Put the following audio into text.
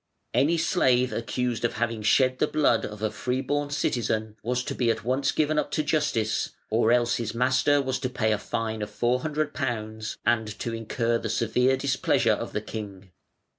Any slave accused of having shed the blood of a free born citizen was to be at once given up to justice; or else his master was to pay a fine of £400, and to incur the severe displeasure of the king.